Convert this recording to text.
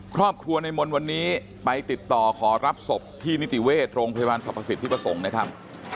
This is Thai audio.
ครอบครัวในมนต์วันนี้ไปติดต่อขอรับศพที่นิติเวชโรงพยาบาลสรรพสิทธิประสงค์นะครับ